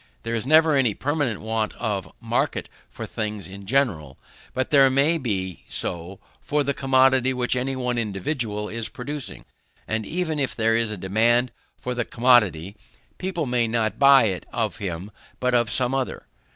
There is never any permanent want of market for things in general; but there may be so for the commodity which any one individual is producing; and even if there is a demand for the commodity, people may not buy it of him but of some other.